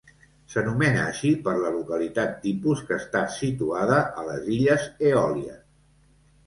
S'anomena així per la localitat tipus, que està situada a les illes Eòlies.